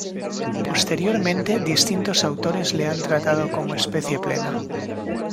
Posteriormente distintos autores la han tratado como especie plena.